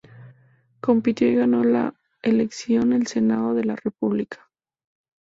Compitió y ganó la elección al Senado de la república.